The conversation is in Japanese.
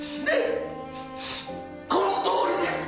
このとおりです！